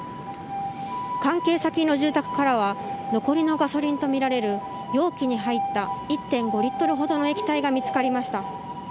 関係先の住宅からは残りのガソリンとみられる容器に入った１．５リットルほどの液体が見つかりました。